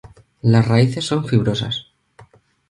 Las raíces son fibrosas.